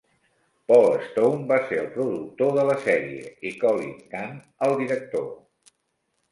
Paul Stone va ser el productor de la sèrie i Colin Cant, el director.